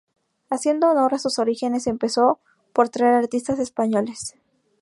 Haciendo honor a sus orígenes, empezó por traer a artistas españoles.